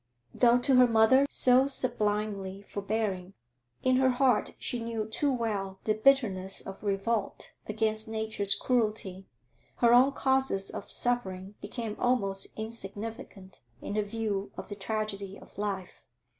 Though to her mother so sublimely forbearing, in her heart she knew too well the bitterness of revolt against nature's cruelty; her own causes of suffering became almost insignificant in her view of the tragedy of life.